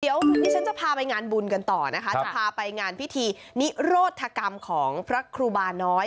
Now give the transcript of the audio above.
เดี๋ยวดิฉันจะพาไปงานบุญกันต่อนะคะจะพาไปงานพิธีนิโรธกรรมของพระครูบาน้อย